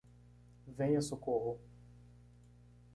Venha Socorro.